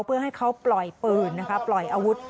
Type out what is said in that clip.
เพื่อให้เขาปล่อยปืนนะคะปล่อยอาวุธ